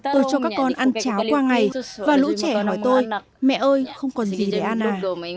tôi cho các con ăn cháo qua ngày và lũ trẻ hỏi tôi mẹ ơi không còn gì để ăn à